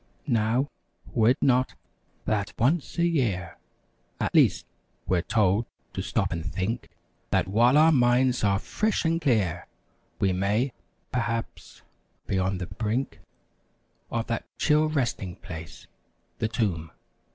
Now, were it not, that once a year At least, we're told to stop and think That while our minds are fresh and clear We may, perhaps, be on the brink Of that chill resting place—the tomb!